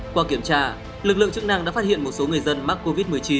qua kiểm tra lực lượng chức năng đã phát hiện một số người dân mắc covid một mươi chín